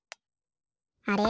あれ？